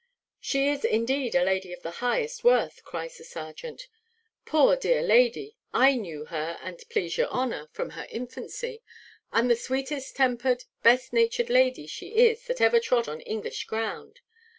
"She is, indeed, a lady of the highest worth," cries the serjeant. "Poor dear lady! I knew her, an 't please your honour, from her infancy; and the sweetest tempered, best natured lady she is that ever trod on English ground.